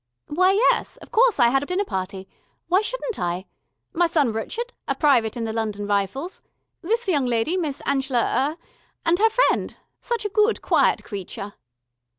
"Why yes, of course I had a dinner party; why shouldn't I? My son Rrchud, a private in the London Rifles, this young lady, Miss Angela er , and her friend such a good quiet creature...."